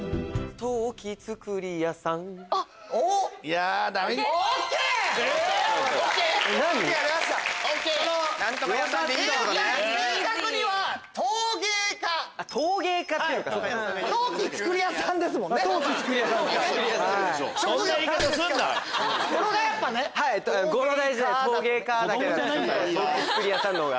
「陶芸作り屋さん」の方が。